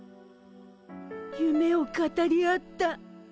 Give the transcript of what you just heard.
ゆめを語り合った。